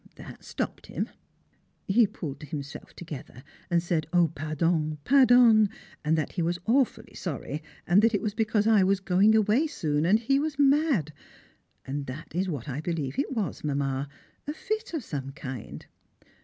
That stopped him! He pulled himself together and said "Oh! pardon, pardon," and that he was awfully sorry, and that it was because I was going away soon and he was mad. And that is what I believe it was, Mamma a fit of some kind.